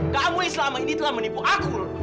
kamu yang selama ini telah menipu aku